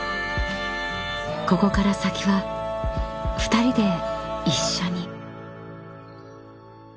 ［ここから先は２人で一緒に］